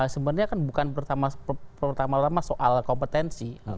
sebenarnya kan bukan pertama tama soal kompetensi